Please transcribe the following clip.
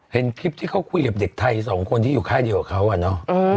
เห็นคลิปที่เขาคุยกับเด็กไทยสองคนที่อยู่ค่ายเดียวกับเขาอะเนาะ